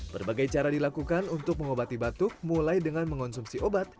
berbagai cara dilakukan untuk mengobati batuk mulai dengan mengonsumsi obat